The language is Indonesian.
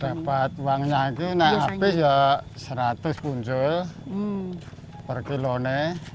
dapat uangnya ini nah habis ya seratus puncul per kilo nih